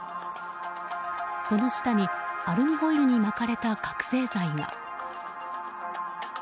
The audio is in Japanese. その下にアルミホイルに巻かれた覚醒剤が。